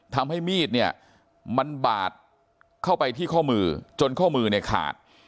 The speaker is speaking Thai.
ทำให้มีดเนี่ยมันบาดเข้าไปที่ข้อมือจนข้อมือเนี่ยขาด